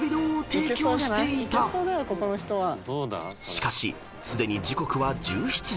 ［しかしすでに時刻は１７時］